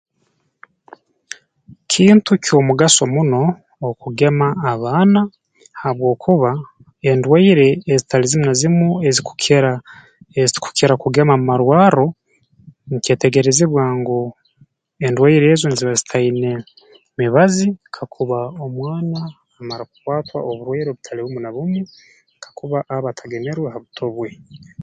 Kintu ky'omugaso muno okugema abaana habwokuba endwaire ezitali zimu na zimu ezikukira ezitukukira kugemwa mu irwarro nkyetegerezebwa ngu endwaire ezo nziba zitaine mibazi kakuba omwana amara kukwatwa oburwaire obutali bumu na bumu kakuba aba atagemerwe ha buto bwe